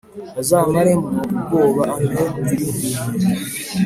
Azamaramwo ubwoba ampe ibinkwiriye